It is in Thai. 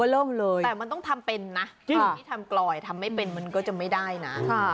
แต่มันต้องทำเป็นนะที่ทำกรอยทำไม่เป็นมันก็จะไม่ได้นะ